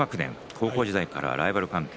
高校時代からライバル関係。